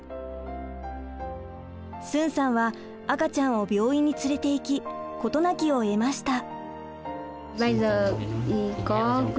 スンさんは赤ちゃんを病院に連れていき事なきを得ました。